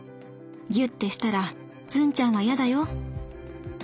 ギュッてしたらズンちゃんは嫌だよ。』